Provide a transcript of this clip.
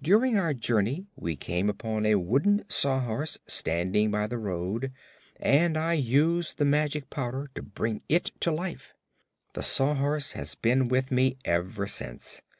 During our journey we came upon a wooden Sawhorse standing by the road and I used the magic powder to bring it to life. The Sawhorse has been with me ever since.